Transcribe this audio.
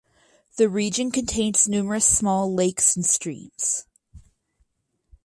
The region contains numerous small lakes and streams.